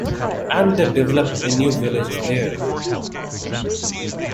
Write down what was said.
And they developed a new village there.